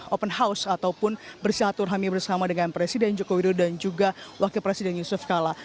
open house ataupun bersilaturahmi bersama dengan presiden joko widodo dan juga wakil presiden yusuf kala